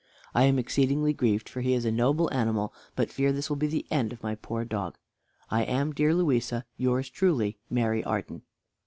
I am exceedingly grieved, for he is a noble animal, but fear this will be the end of my poor dog. "I am, dear Louisa, yours truly "MARY ARDEN."